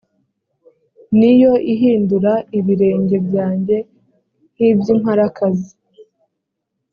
ni yo ihindura ibirenge byanjye nk iby imparakazi